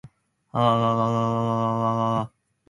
物事は外見にとらわれず、その本質を見抜くことが大切であるということ。